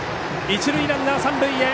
一塁ランナー、三塁へ。